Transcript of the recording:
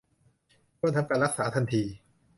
ควรทำการรักษาทันที